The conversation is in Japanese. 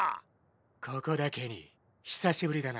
ここだケニー久しぶりだな。